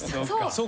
そう。